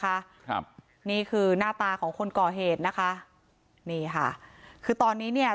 ครับนี่คือหน้าตาของคนก่อเหตุนะคะนี่ค่ะคือตอนนี้เนี่ย